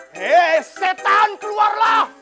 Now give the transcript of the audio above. heee setan keluarlah